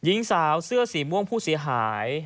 หญิงสาวเสื้อสีม่วงผู้เสียหาย